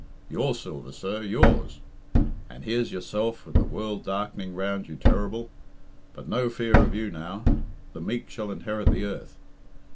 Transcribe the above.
Your silver, sir, yours. And here's yourself, with the world darkening round you terrible. But no fear of you now. The meek shall inherit the earth.